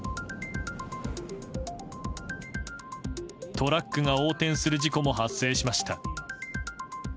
トラックが横転する事故も発生しました。